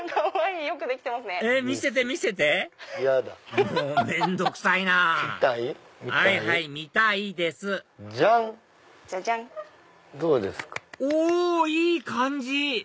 おいい感じ！